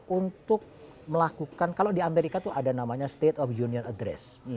untuk melakukan kalau di amerika itu ada namanya state of union address